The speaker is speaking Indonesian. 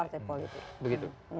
partai politik begitu